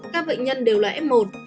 các bệnh nhân đều là f một